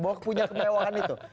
mau punya kemewahan itu